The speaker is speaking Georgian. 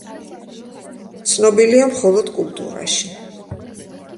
ცნობილია მხოლოდ კულტურაში.